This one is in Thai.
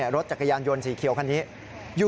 รถจักรยานยนต์สีเขียวคันนี้